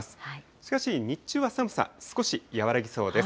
しかし日中は寒さ、少し和らぎそうです。